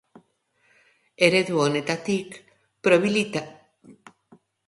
Eredu honetatik probabilitateak zehaztuko dira.